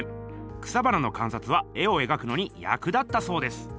草花のかんさつは絵を描くのにやく立ったそうです。